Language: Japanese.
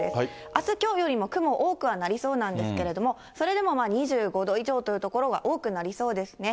あす、きょうよりも雲多くはなりそうなんですけれども、それでも２５度以上という所が多くなりそうですね。